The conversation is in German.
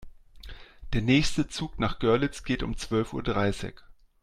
Der nächste Zug nach Görlitz geht um zwölf Uhr dreißig